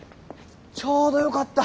ちょうどよかった。